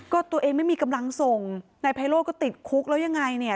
ก็ตัวเองไม่มีกำลังส่งนายไพโร่ก็ติดคุกแล้วยังไงเนี่ย